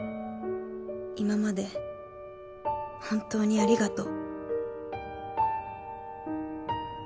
今まで、本当にありがとう」。